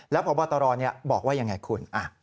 แล้วพบตรบอกว่ายังไงคุณ